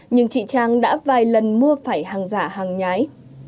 nhưng chị trang đã vài lần mua phải hàng giả hàng nhái